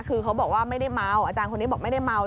คือเขาบอกว่าไม่ได้เมาอาจารย์คนนี้บอกไม่ได้เมา